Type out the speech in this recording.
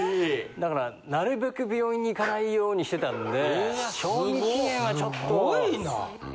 だからなるべく病院に行かないようにしてたんで賞味期限はちょっと。